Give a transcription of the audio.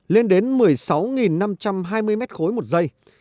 lên đến một mươi sáu năm trăm hai mươi mét khối một giây